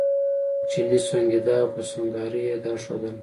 چیني سونګېده او په سونګاري یې دا ښودله.